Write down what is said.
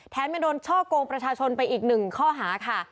ยังโดนช่อกงประชาชนไปอีกหนึ่งข้อหาค่ะ